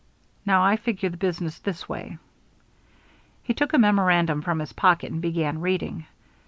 Now, I figure the business this way." He took a memorandum from his pocket and began reading.